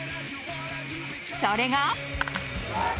それが。